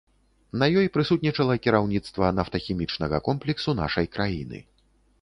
На ёй прысутнічала кіраўніцтва нафтахімічнага комплексу нашай краіны.